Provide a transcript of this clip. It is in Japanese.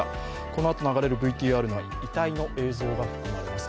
このあと流れるＶＴＲ内、遺体の映像が含まれます